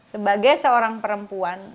sebagai seorang perempuan